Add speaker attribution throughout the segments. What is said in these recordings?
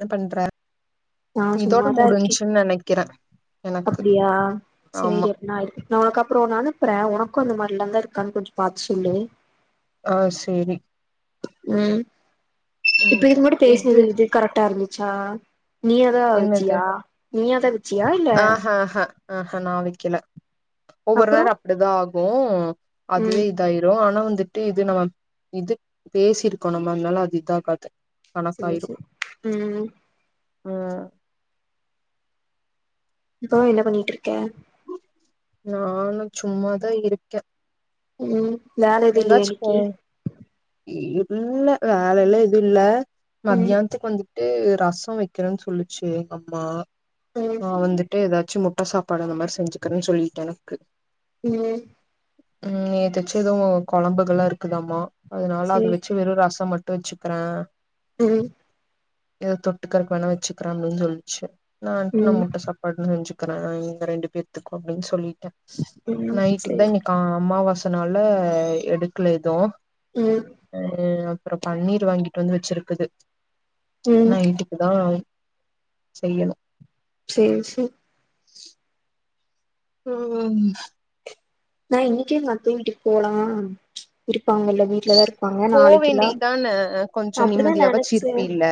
Speaker 1: என்ன பண்ற
Speaker 2: நா
Speaker 1: இதோட
Speaker 2: சும்மாதா இருக்கே
Speaker 1: முடிஞ்சுன்னு நினைக்கிறேன்
Speaker 2: அப்டியா சரி அப்டின நா உனக்கு அப்றோ அனுப்புறே உனக் உனக்கு அந்த மாரிதா எல்லா இருக்கான்னு கொஞ்சம் பாத்து சொல்லு
Speaker 1: ஆஹ் சரி
Speaker 2: உம் இப்ப இது மட்டு பேசினது இது கரெக்டா இருந்து சா நீ அத வச்சியா நீ அத
Speaker 1: ஆஹ்ஹஹ ஆஹ்ஹ் நான் வைக்கல ஒவ்வொரு
Speaker 2: அப்றோ
Speaker 1: நேரம் அப்டித்தா ஆகும் போவமா
Speaker 2: ம்
Speaker 1: அதுவே இதாயிரும் ஆனா வந்துட்டு இது நம்ம இது பேசிருக்கோம் நம்ம அதனால அது இது ஆகாது
Speaker 2: சரி சரி உம்
Speaker 1: ஆ
Speaker 2: இப்ப என்ன பண்ணிட்டு இருக்க
Speaker 1: நானு சும்மாதா இருக்கேன்
Speaker 2: உம் வேல எது இல்லையா இனிக்கி
Speaker 1: இல்ல வேலைல்ல எது இல்ல
Speaker 2: ம்
Speaker 1: மத்தியான்துக்கு வந்து டு ரசோ வைகிறேன்னு சொல்லிச்சு எங்கம்மா
Speaker 2: ம்
Speaker 1: ஆ வந்துட்டு ஏதாச் ச்சு முட்ட சாப்பாடு அந்த மாரி செஞ்சுகுரேகேன்னு சொல்லிட்ட எனக்கு
Speaker 2: உம்
Speaker 1: உம் எதச்ச எதுவு குழம்புகல இருக்குதாமா அதனால
Speaker 2: சேரி
Speaker 1: அது வச்சு வெறு ரசம் மட் ட்டு வச்சுக்கிறா
Speaker 2: உம்
Speaker 1: ஏதோ தொட்டுக்கறக் வேண வச்சுக்கிறேன் அப்படின்னு சொல்லிச்சு நான்ட்டு நம்ம
Speaker 2: ம்
Speaker 1: முட்ட சாப்பாடுனு நெனச் ருக்க இங்க ரெண்டு பேத்துக்கு அப்டினு சொல்லிட்டே
Speaker 2: ம்
Speaker 1: நைட்டுக்கு
Speaker 2: சேரி
Speaker 1: தா இன்னக்கு அம்மாவ சனால எடுக்கல எது
Speaker 2: ம்
Speaker 1: அ அப்புரோ பன்னீர் வாங்கிட்டு வந்து வச்சிருக்குது
Speaker 2: ம்
Speaker 1: நைட்டுக்குதா செய்யணு
Speaker 2: சேர் சேர்
Speaker 1: ஆ
Speaker 2: நா இன்னிக்கே எங்கத்தை வீட்டுக்கு போலா இருப் ப்பாங்கல்ல வீட்லதா இருப்பாங்க
Speaker 1: போ
Speaker 2: நாளைக்கெல்லா
Speaker 1: வேண்டியதான கொஞ்சோ
Speaker 2: அப்டிதா
Speaker 1: நிம்மதியாவாச்சு
Speaker 2: நெனச்சே
Speaker 1: இருப்பில்ல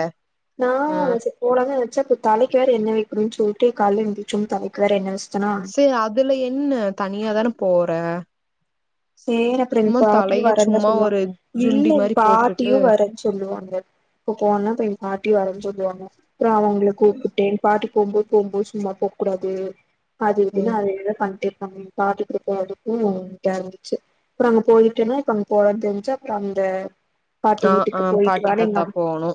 Speaker 2: நா
Speaker 1: ம்
Speaker 2: ச்சர் போலாங்க வச்சாப்ப தலைக்கு வேற என்ன வைக்கணுனு சொல் டி கால்ல எந்திரிச்சோன தலைக்கு வேற என்ன வெச்
Speaker 1: சேர் அதுல என்ன தனியாதான போற
Speaker 2: சேர் அப்புரோ எப்
Speaker 1: சும்மா
Speaker 2: பாட்டியு
Speaker 1: தலைய
Speaker 2: வரே தான்
Speaker 1: சும்மா
Speaker 2: சொல்லுவாங்க
Speaker 1: ஒரு
Speaker 2: இல்ல
Speaker 1: ஜுண்டி
Speaker 2: எ
Speaker 1: மாரி போட்டுட்டு
Speaker 2: பாட்டியும் வரேன்னு சொல்லுவாங்க இப்ப போனா இப்ப எ பாட்டியு வரேன்னு சொல்லுவாங்க ப்பரோ அவங்கள கூப்பிட்டே எ பாட்டி போம்போ போம்போது சும்மா போக் கூடாது அது இதுனு
Speaker 1: ம்
Speaker 2: அது இதுனு பண்டே அவுங்ள பாத்துக்கறதுக்கு அதுக்கு [unintelligible] ச அப்புற அங்க போயிட்டேன்னா இப்ப அங்க போறது தெரிஞ்சா அப்புற அந்த பாட்டி
Speaker 1: ஆஹ் ஆஹ் பாட்டி தத்தா போகணு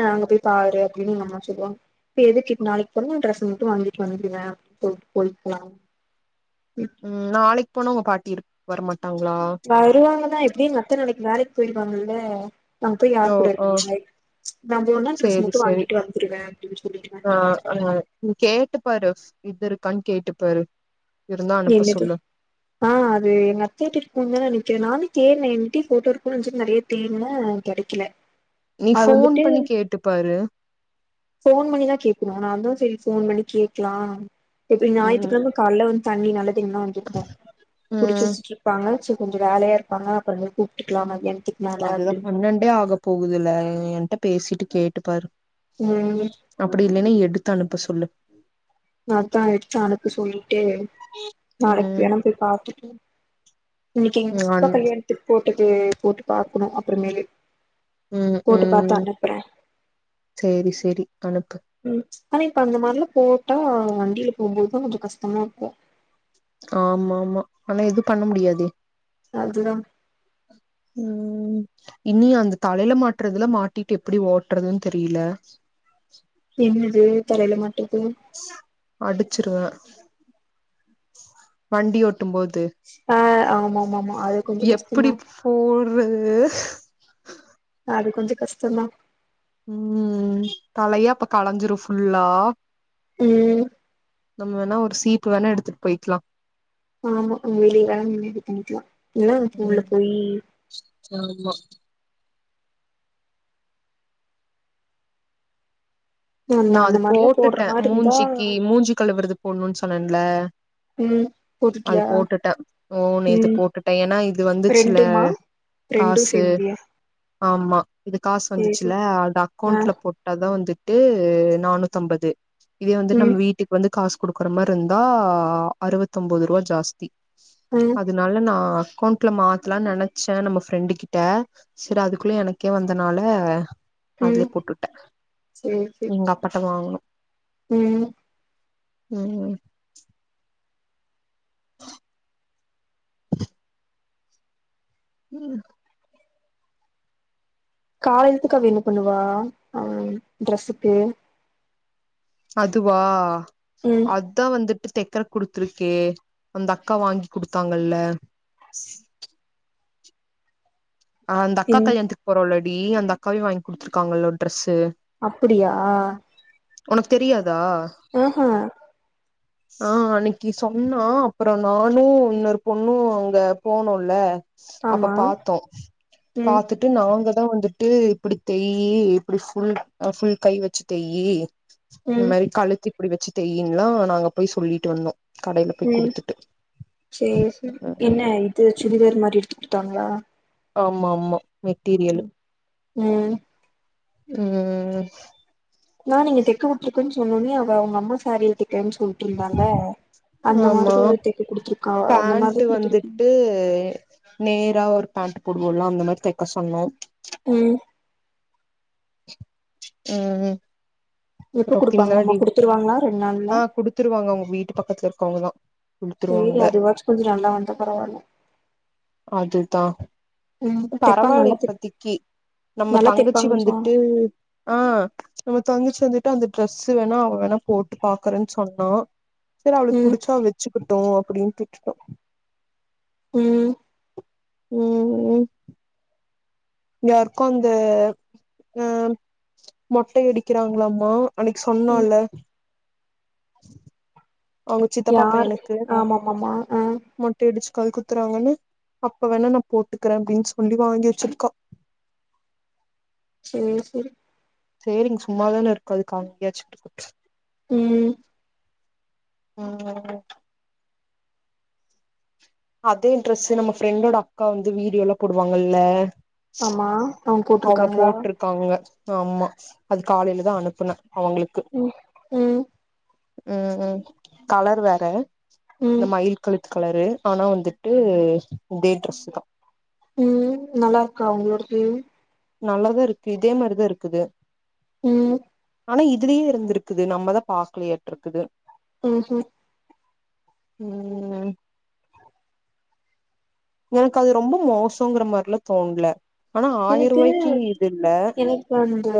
Speaker 2: ஆஹ அங்க போய் பாரு அப்படின்னு எங்கம்மா சொல்லுவாஙா இப்ப எதுக்கு இ நாளைக்கு போனா ட்ரெஸ் மட்டு வாங்கிட்டு வந்துடுங்க [unintelligible]
Speaker 1: உம் நாளைக்கு போனா உங்க பாட்டி வரமாட்டா
Speaker 2: வருவாங்கதா எப்படியு எங்அத்த நாளைக்கு வேலை க்கு போயிருவாங்கல்ல அங்க போய்
Speaker 1: ஓ
Speaker 2: யார் கூட
Speaker 1: ஓ
Speaker 2: இருப்பாங்க நா போனா ட்ரெஸ்
Speaker 1: சேரி
Speaker 2: மட்டு
Speaker 1: சேரி
Speaker 2: வாங்கிட்டு வந்துருவே அப்படின்னு சொல்லிருவ
Speaker 1: ஆ [unintelligible] இருக்கா கேட்டுப்பாரு
Speaker 2: என்னது ஆஹ் அது எங்க அத்தகிட்ட இருக்குந் தா நெனைக்கிறே நான தேடின எங்கிட்டயு ஃபோட்டோ இருக்கு நெனச்சுட்டு நெறைய தேடுன கெடைக்கல
Speaker 1: நீ
Speaker 2: அது
Speaker 1: ஃபோன்
Speaker 2: வந்துட்டு
Speaker 1: பண்ணி கேட்டுப்பாரு
Speaker 2: ஃபோன் பண்ணிதா கேக்கணு நா வந்து சரி ஃபோன் பண்ணி கேக்கலா எப்படி
Speaker 1: ம்
Speaker 2: ஞாயித்துகெழம காலைல வந்து தண்ணி நல்ல ன்ன வந்துருக்கு புடிச்சு
Speaker 1: ம்
Speaker 2: வச்சட்டு இருப்பாங்க சர் கொஞ்ச வேலையா இருப்பாங்க அப்புறமேல் கூப்பிட்க்கிலா மதிய
Speaker 1: அதுதா பன்னென்டே ஆக போகுதுல்ல என்ட்ட பேசி சிட்டு கேட்டு பாரு
Speaker 2: ம்
Speaker 1: அப்படி இல்லைன்னா எடு தனுப்ப சொல்லு
Speaker 2: அத் தா எடுத்து அனுப்ப சொல்லி ட்டே நாளைக்கு
Speaker 1: ம்
Speaker 2: வேணம் போய் பாத்துட்டு இன்னிக்கு எங்க சித்ப்பா
Speaker 1: அன்
Speaker 2: கல்யாணத்துக் போ ட்டுட்டு போட்டு பாக்கணு அப்புறமேலு
Speaker 1: உம்
Speaker 2: போட்டு பாத்து
Speaker 1: உம்
Speaker 2: அனுப்புறே
Speaker 1: சரி சரி அனுப்பு
Speaker 2: ம் ஆனா இப்ப அந்த மாரிலா போட்டா வண்டில போம்போதுதா கொஞ்ச கஷ்டமா இருக்கு
Speaker 1: ஆமாமா ஆனா எது பண்ண முடியாதே
Speaker 2: அதுதா
Speaker 1: உம் இனி அந்த தலையில மாட்றதுல மாட்டிட்டு எப்படி ஓட்டுறதுன்னு தெரியல
Speaker 2: என்னது தலைல மாட்ற
Speaker 1: அடிச்சிருவே வண்டி ஒட் டும் போது
Speaker 2: ஆமாமாமா
Speaker 1: எப்புடி போட்றது
Speaker 2: அது கொஞ்ச கஷ்டந்தா
Speaker 1: உம் தலைய அப்ப கலஞ்சிரு ஃபுல்லா
Speaker 2: ம்
Speaker 1: நம்ம வேணா ஒரு சீப்பு வேணா எடுத்துட்டு போய்க்கலா
Speaker 2: ஆமா அங்க வெளில நின்னுட்டு பண்ணிக்கலா இல்ல ப்ப உள்ள
Speaker 1: ம்
Speaker 2: போயி
Speaker 1: ஆமா
Speaker 2: அந்த
Speaker 1: நா அது
Speaker 2: அந்த மாரிலா போடுற
Speaker 1: போட்டுட்டே
Speaker 2: மாரி இருந்தா
Speaker 1: மூஞ்சிக்கு மூஞ்சி கழுவுறது போட்ணுன் சொன்ன ல்ல
Speaker 2: ம்
Speaker 1: அது
Speaker 2: போட்டுட்டியா
Speaker 1: போட்டுட்டே ஓ நேத்து
Speaker 2: ம்
Speaker 1: போட்டுட்டே ஏனா இது வந்துச்சுல்ல
Speaker 2: ரெண்டுமா ரெண்டு
Speaker 1: காசு
Speaker 2: சேந்தியா
Speaker 1: ஆமா இது காசு
Speaker 2: சேரி
Speaker 1: வந்துச்சுல்ல
Speaker 2: சேரி
Speaker 1: அது
Speaker 2: ஆ
Speaker 1: அக்கௌண்ட்ல போட்டாதா வந்து ட்டு இது நானூத்தம்பது இதே வந்து நம்ம
Speaker 2: ம்
Speaker 1: வீட்டுக்கு வந்து காஸ் குடுக்குற மார்ருந்தா அறுவத்தொம்பது ரூவா ஜாஸ் தி
Speaker 2: ம்
Speaker 1: அதனால நா அக்கௌண்ட்ல மாத்தலான் நெனைச்சே நம்ம ஃப்ரெண்டு கிட்ட சரி அதுக்குள்ள எனக்கே வந்தனால அதுல
Speaker 2: ம்
Speaker 1: போட்டுவுட்டே நீங்க அப்பத வாங்கனும்
Speaker 2: உம்
Speaker 1: உம் உம்
Speaker 2: காலத்துக்கோ அவ என்ன பண்ணுவா அஹ் ட்ரெஸ்ஸுக்கு
Speaker 1: அதுவா
Speaker 2: ம்
Speaker 1: அத்தா வந்துட் ட்டு தெக்கர குடுத்துருக்கே அந்த அக்கா வாங்கி குடுத்தாங்கல அந்த அக்கா
Speaker 2: பின்
Speaker 1: கல்யாணத்துக்கு போரோம்ல டி அப்டி அந்த அக்காவே வாங்கி குடுத்துருக்காங்கல்ல ஒரு டிரஸ்சு
Speaker 2: அப்படியா
Speaker 1: உனக்கு தெரியாது
Speaker 2: ம் ஹ் ஆ
Speaker 1: ஆஹ் அன்னைக்கி சொன்னா அப்புறோ நானு இன்னொரு பொண்ணு அங்க போனோம்ல அப்ப
Speaker 2: ஆமா
Speaker 1: பாத்தோ
Speaker 2: ம்
Speaker 1: பாத்துட்டு நா அங்கதான் வந்துட்டு இப்டி தெய்யி இப்டி ஃபுல் ஃபுல் கை வெச்சு தெய்யி இந்த
Speaker 2: ம்
Speaker 1: மாரி கழுத்து அப்டி வெச்சி தெயின்னுலா நாங்க போய் சொல்லிட்டு வந்தோ கடைல போய்
Speaker 2: உம்
Speaker 1: குடுத்துட்டு
Speaker 2: செரி செரி என்ன இது சுடிதார் மாரி இருக் குடுத்தாங்களா
Speaker 1: ஆமா ஆமா மெட்டீரியல்
Speaker 2: உம்
Speaker 1: உம்
Speaker 2: நா நீங்க தெக்க குடுத்திக்கேன்னு சொன்ன ஒன்னயே அவுங்க அம்மா சாரீயா தேன் சொல்ட்டு இருந்தால அந்த
Speaker 1: ஆமா
Speaker 2: மாரிதா தெக்க குடுத்துருக்கா அந்த
Speaker 1: பேண்ட்
Speaker 2: மாரிதா குடுத்திருக்கீங்க
Speaker 1: வந்துட்டு நேரா ஒரு பேண்ட் போடுவோம்ல அந்த மாரி தெக்க சொன்னோ
Speaker 2: உம்
Speaker 1: உம்
Speaker 2: எப்ப குடுப்பாங்களாமா குடுத்துருவாங்களா ரெண்டு நாள்ல
Speaker 1: ஆ கொடுத்துருவாங்க அவுங்க வீட்டு பக்கத்துல கவுங்க தா
Speaker 2: செரி அதுவாச்சும் கொஞ்சம் நல்ல வந்தா பரவால்ல ம் தெப்பாங்க
Speaker 1: பரவாயில்ல
Speaker 2: நல்லா தெப்
Speaker 1: இப்பத்திக்கு நம்ம
Speaker 2: நல்லா
Speaker 1: தங்கச்சி
Speaker 2: தெப்பாங்கன்னு சொன்னா
Speaker 1: வந்துட்டு ஆ நம்ம தங்கச்சி வந்து ட்டு அந்த டிரெஸ்ஸு வேணா அவ வேணா போட்டு பாக்குறேன்னு சொன்னா செரி அவளுக்கு
Speaker 2: ம்
Speaker 1: புடிச்சா வச்சு ட்டும் அப்டின்னு விட்டுட்டோம்
Speaker 2: உம்
Speaker 1: உம் உம் யாருக்கொ அந்த அ மொட்ட அடிக்கிறாங்களாமா அன்னிக்கு
Speaker 2: ம்
Speaker 1: சொன்னால்ல அவங்க சித்தப்பா
Speaker 2: யார்
Speaker 1: பையனுக்கு
Speaker 2: ஆமாமாம
Speaker 1: கல் குத்துறாங்கன்னு அப்ப வேணா நான் போட்டுக்கறேன் அப்டின்னு சொல்லி வாங்கி வச்சிருக்கா
Speaker 2: செரி செரி
Speaker 1: செரி இங்க சும்மாதானே இருக்கு அதுக்கு அங்கயாச்சு
Speaker 2: உம்
Speaker 1: ஆஹ் அதே இன்டரெஸ்ட் நம்ம ஃப்ரெண்டோட அக்கா வந்து வீடு எல போடுவாங்கல்ல
Speaker 2: ஆமா அவங்க
Speaker 1: அவுங்க
Speaker 2: போட்ருக்காங்களா
Speaker 1: போட்டுருக்காங்க ஆமா அது காலையிலதான் அனுப் புன அவுங்களுக்கு
Speaker 2: ம் ம்
Speaker 1: உம் உம் கலர் வேற இந்த
Speaker 2: ம்
Speaker 1: மயில் கழு கலரு ஆனா வந்துட்டு இதே ட்ரெஸ் தான்
Speaker 2: உம் நல்லா இருக்கா உங்களோடது
Speaker 1: நல்லாதான் இருக்கு இதே மாரிதான் இருக்குது
Speaker 2: உம்
Speaker 1: ஆனா இதுலயே இருந்திருக்குது நம்மதான் பாக்கலையேட்டு இருக்குது
Speaker 2: ஹஙம் உஹ்
Speaker 1: உஹம் எனக்கு அது ரொம்ப மோசங்கிற மாரில்லாம் தோணல ஆனா
Speaker 2: எனக்கு
Speaker 1: ஆயிரூவாய்க்கு இது இல்ல
Speaker 2: எனக்கு அந்த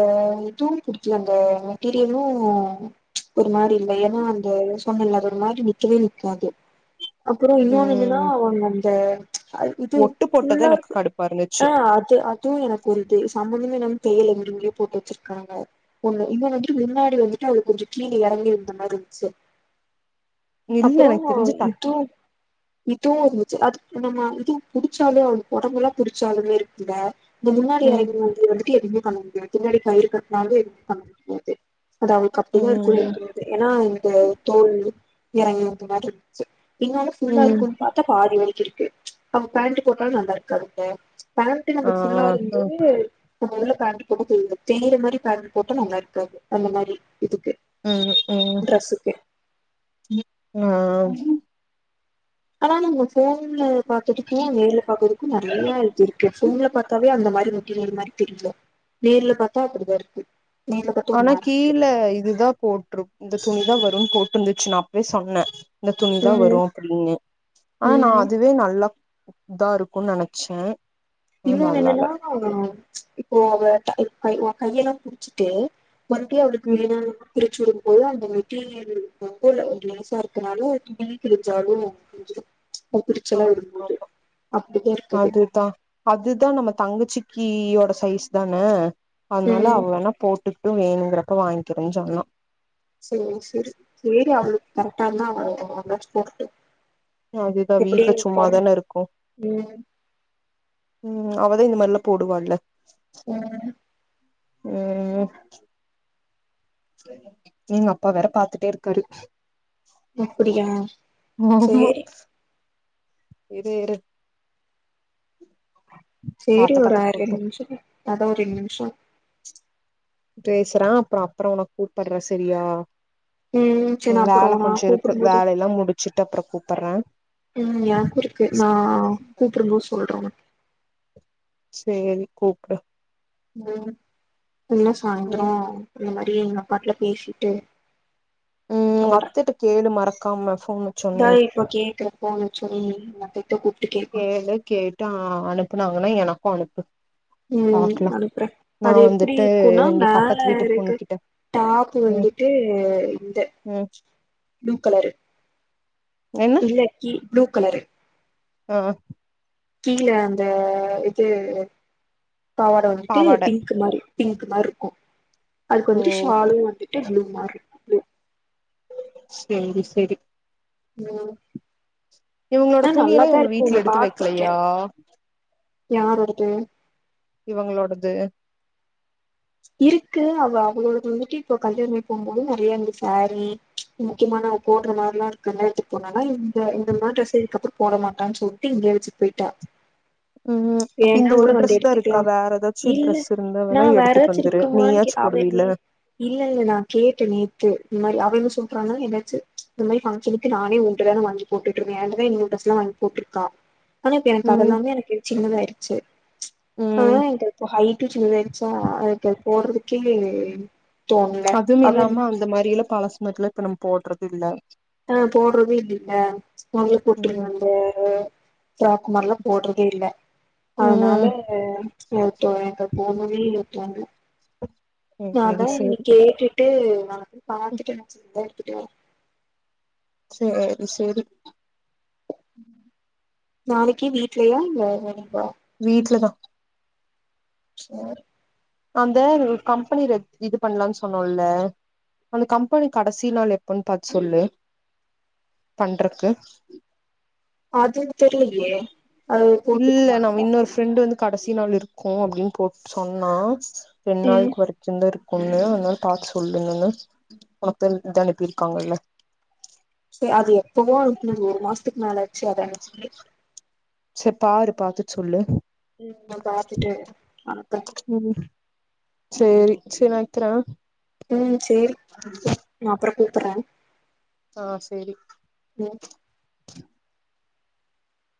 Speaker 2: இதுவும் குடிச்ச அந்த மெட்டீரியலும் ஒரு மாரி இல்லை ஏன்னா அந்த சொன்ன இல்ல அது ஒரு மாரி நிக்கவே நிக்காது அப்புறம் இன்னொன்னுன்னா
Speaker 1: ம்
Speaker 2: த அ இது
Speaker 1: ஒட்டு போட்டது
Speaker 2: ஃபுல்லா
Speaker 1: எனக்கு
Speaker 2: இருக்கும்
Speaker 1: கடுப்பா இருந்துச்சு
Speaker 2: ஆஹ் அது அதுவும் எனக்கு ஒரு சம்பந்தமேனும் தேயலங்கிரியே போட்டு வச்சிருக்காங்க ஒன்னு இவன் வந்துட்டு முன்னாடி வந்துட்டு அவங்க கொஞ்சம் கீழே இறங்கி இருந்த மாதிரி இருந்துச்சு
Speaker 1: இல்ல
Speaker 2: அப்ரோ
Speaker 1: எனக்கு தெரிஞ்சு டக்
Speaker 2: இது இதுவு இருந்துச்சு அது நம்ம இது புடிச்சாலு உடம்புல்லா புடிச்சாலுமே கித இந்த முன்னாடில
Speaker 1: ம்
Speaker 2: இருந்து வந்து வந்துட்டு எதுவுமே பன்ன முடியாது பின்னாடி கயர் கட்நாலு எதுவு பன்ன முடியாது அது அவளுக்கு அப்படிதா இருக்கு
Speaker 1: ம்
Speaker 2: தோணுது ஏனா இந்த தோல் [unintelligible] பின்னாடி ஃபுல்லா
Speaker 1: ம்
Speaker 2: இருக்குன் பாத்த பாதி வரைக்கு இருக் அவ பேண்ட் போட்டாலு நல்லா இருக்காது அத்த பண்ட்டு
Speaker 1: ஆ
Speaker 2: நமக் ஃபுல்லா
Speaker 1: ஆ
Speaker 2: இருந்து உள்ள பண்ட போட்டு தேரியு தெரியிற மாரி பேண்ட போட்ட நல்லா இருக்காது அந்த மாரி இதுக்கு
Speaker 1: உம் உம்
Speaker 2: ட்ரெஸ்ஸுக்கு
Speaker 1: உஹம்
Speaker 2: ஆனா நம்ம ஃபோன்ல பாத்ததுக்கு நேர்ல பாக்றதுக்கு நறைய இது இருக்கு ஃபோன்ல பார்த்தாவே அந்த மாதிரி மேட்டிறியல் மாரி தெரியு நேர்ல பாத்தா அப்படிதா இருக்கு நேர்ல பாத்தா ஒரு
Speaker 1: ஆனா
Speaker 2: மாரி இருக்கு
Speaker 1: கீழே இதுதா போட்ரு இந்த துணிதா வ போட்டிருந்துச்சு நா அப்பயே சொன்ன இந்த துணி தா வரு
Speaker 2: ம்
Speaker 1: அப்படின்னு. ஆனா
Speaker 2: ம்
Speaker 1: அதுவே நல்லா. இதா இருக்கும்ன்னு நினைச்ச
Speaker 2: இன்னொன்னு என்னன்னா ம்ச் இப்போ அவ. கையெல்லா புடிச்சிட்டு. மந்த்லி அவளுக்கு
Speaker 1: ம்
Speaker 2: வேண பிரிச்சு விடும்போது அந்த மெட்டீரியல் வந்து லேசா இருக்கனால இப்படி கிழிஞ்சாலு பிரிஞ்சிரும். பிரிச்செல்லா
Speaker 1: ஆமா
Speaker 2: விடும்போது அப்படிதா இருக்குது.
Speaker 1: அதுதா அதுதா நம்ம தங்கச்சிக்கியோட சைஸ் தான. ஆன்னால
Speaker 2: ம்
Speaker 1: அவ வேணா போட்டு ட்டு வேணுங்கிறப்ப வாங்கிக்கிறனு சொன்னா.
Speaker 2: சேரி சேரி சேரி அவளுக் கரெக்டாருந்தா. [unintelligible]
Speaker 1: அதுதா வீட்டுல சும்மாதானே இருக்கோ.
Speaker 2: ம்
Speaker 1: உம் அவதா இந்தமாதிரியெல்லா போடுவால.
Speaker 2: ம்
Speaker 1: உஹம். எங்க அப்பா வேற பாத்துட்டே இருக்காரு.
Speaker 2: அப்படியா சேரி.
Speaker 1: இது இரு
Speaker 2: சேரி
Speaker 1: பாத்த
Speaker 2: ஒரு
Speaker 1: பாத்துட்டு
Speaker 2: அரை
Speaker 1: போட்டு
Speaker 2: நிமிஷம் அதான் ஒரு ரெண்டு நிமிஷம்
Speaker 1: பேசுறே அப்புறம் அப்புறம் உனக்கு கூப்புட்றே சரியா
Speaker 2: ம் சேரி நா அப்றோ
Speaker 1: வேல
Speaker 2: நா
Speaker 1: கொஞ்சம் இருக்கு
Speaker 2: கூப்டும்போது
Speaker 1: வேலயெல்லாம் முடிச்சுட்டு அப்புறம் கூப் ப்பற்றேன்.
Speaker 2: உம் எனக்கு இருக்கு நான் கூப்புடும் போது சொல்றேன் உனக்கு
Speaker 1: சேரி கூப்புடு
Speaker 2: உம் என்ன
Speaker 1: ம்
Speaker 2: சாய்ந்திரம் இந்தமாரி அப்படியே எங்க அப்பாட்டலா பேசிட்டு
Speaker 1: ம்
Speaker 2: சொல்றே
Speaker 1: அத்தட்ட கேளு மறக்காம ஃபோன் வச்சோனே
Speaker 2: இதான் இப்ப கேக்குறப்போ சொல்லி ந கிட்ட கூப்புட்
Speaker 1: கேளு கேட்டா அனுப்புனாங்கன்னா எனக் கு அனுப்பு
Speaker 2: உம்
Speaker 1: பாக்கலா
Speaker 2: அனுப்புறேன்
Speaker 1: நா
Speaker 2: அது எப்டி
Speaker 1: வந்துட்டு
Speaker 2: இருக்கும்ன்னா
Speaker 1: இங்க
Speaker 2: மேல
Speaker 1: பக்கத்து வீட்டு பொண்ணு
Speaker 2: இருக்கு
Speaker 1: கிட்ட
Speaker 2: டாப்
Speaker 1: ம்
Speaker 2: வந்துட்டு இந்த
Speaker 1: ம்
Speaker 2: ப்ளூ கலரு. இல்ல கி ப்ளூ கலரு
Speaker 1: ஆஹ்
Speaker 2: கீழ அந்த இது பாவாட வந்துட்டு
Speaker 1: பாவாட
Speaker 2: பிங்க்கு மாரி பிங்க் மாரி இருக்கும் அதுக்கு
Speaker 1: ஓ
Speaker 2: வந்துட்டு ஷாலும் வந்துட்டு ப்ளூ மாரி ப்ளூ
Speaker 1: செரி செரி
Speaker 2: உம்
Speaker 1: இவங்களோட துணியெல்லாம் இவுங்க வீட்ல எடுத்து
Speaker 2: பாத்திருக்கே
Speaker 1: வக்கலையா
Speaker 2: யாரோடது
Speaker 1: இவங்களோடது
Speaker 2: இருக்கு அவ அவளோடது வந்துட்டு இப்ப கல்யாணமாயி போம்போது நெறைய இந்த சேரி ச் முக்கியமான அவ போட்ற மாரிலா இருக்குல்ல கல்யாணத்துக் போனானா இந்த இந்த மாரி ட்ரெஸ்ஸ இதுக்கப்பறம் போட மாட்டான்னு சொல்ட்டு இங்கயே வச்சுட் போய்ட்டா
Speaker 1: உம் அப்ப இந்த ஒரு ட்ரெஸ் தான் இருக்கா வேற ஏதாச்சும் ட்ரெஸ் இருந்தா வேணா எடுத்துக்கலா
Speaker 2: இருக்குமான்னுே கே அவளே இல்லல்ல நான் கேட்டே நேத்து இந்த மாரி அவ என்ன சொல்றான்னா ஏதாச்சு ச் இந்த மாரி ஃபங்கஷனுக்கு நானே ஒண்ட்ட தான வாங்கி போட்டுட்ருக்கேன் அதுவே இந்த ட்ரெஸ்லாம் வாங்கி போட்டுருக்கா ஆனா இப்ப எனக்கு
Speaker 1: ம்
Speaker 2: அதெல்லாமே எனக்கு சின்னதாயிருச்சு ச்
Speaker 1: ம்
Speaker 2: ஆஹ் எனக்கு இப்ப ஹைட்டும் சின்னதாயிருச்சா போட்றதுக்கே தோண்ல
Speaker 1: அதும்
Speaker 2: அவ
Speaker 1: இல்லாம அந்த மாரியெல்லா பழசு மாரிலா இப்ப நம் போட்றது இல்ல
Speaker 2: அஹ் போட்றது இல்லைல்ல மொதல்ல போட்ருந்த
Speaker 1: ம்
Speaker 2: அந்த அஹ் ஃப்ராக் மார்லா போட்றதே இல்ல அதனால
Speaker 1: ம்
Speaker 2: நைட்டு அங்க போணுமே இருட்டாருக்கு நாதா
Speaker 1: சேரி
Speaker 2: என்னக் கேட்டுட் ட்டு வருவ
Speaker 1: சேரி
Speaker 2: பாத்துட்டே நா சூப்பர் கிட்ட வா
Speaker 1: சேரி சேரி
Speaker 2: நாளைக்கே வீட்லயு ஒ ஒடம்ப்பா
Speaker 1: வீட்ல தா
Speaker 2: சேர்
Speaker 1: அந்த ஒரு கம்பெனி ரெஜ் இது பண்லான் சொன்னோல்ல அந்த கம்பெனி கடசி நாள் எப்பன் பாத்து சொல்லு பண்றக்கு
Speaker 2: அது தெரியலயே அது
Speaker 1: இல்ல
Speaker 2: போட்ருக்குமா
Speaker 1: நம்ம
Speaker 2: அதுல
Speaker 1: இன்னொரு ஃப்ரெண்ட் டு வந்து கடசி நாள் இருக்கு அப்படின் போட் சொன்னா பெண்ணால்
Speaker 2: ம்
Speaker 1: கொறச்சுந்தாருக் கொண்ணே வந்தாலு பாத்து சொல்லுங்கன்னு ஒனக்கு தா இத அனுப்பிருக்காங்கள்ல
Speaker 2: சே அது எப்பவோ கிழிஞ்சு ஒரு மாஸ்த்துக்கு மேல சேர் அத அனுப்புங்ளே
Speaker 1: செரி பாரு பாத்துட் சொல்லு
Speaker 2: ம் நா பாத்துட்டு அனுப்புறே
Speaker 1: உம் சேரி சினாக்த்ரா
Speaker 2: உம் சேரி அப்ற அப்ற இருக்கறே
Speaker 1: ஆஹ் சேரி
Speaker 2: விலங்